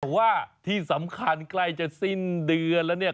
แต่ว่าที่สำคัญใกล้จะสิ้นเดือนแล้วเนี่ย